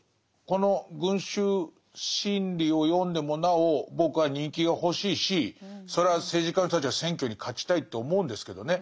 この「群衆心理」を読んでもなお僕は人気が欲しいしそれは政治家の人たちは選挙に勝ちたいって思うんですけどね